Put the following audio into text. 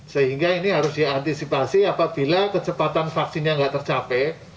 sehingga ini harus diantisipasi apabila kecepatan vaksinnya nggak tercapai